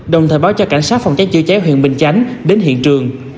đồng thời báo cho cảnh sát phòng cháy chữa cháy huyện bình chánh đến hiện trường